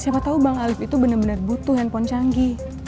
siapa tahu bang alif itu benar benar butuh handphone canggih